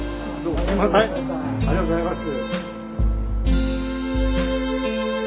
ありがとうございます。